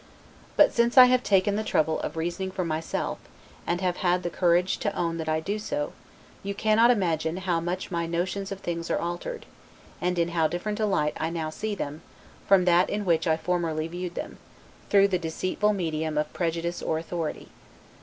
But since I have taken the trouble of reasoning for myself, and have had the courage to own that I do so, you cannot imagine how much my notions of things are altered, and in how different a light I now see them, from that in which I formerly viewed them, through the deceitful medium of prejudice or authority.